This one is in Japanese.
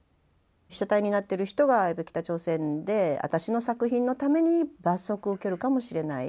被写体になってる人がいる北朝鮮で私の作品のために罰則を受けるかもしれない。